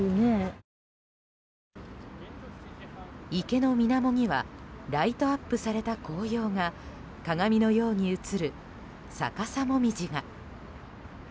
池の水面にはライトアップされた紅葉が鏡のように映る逆さモミジが。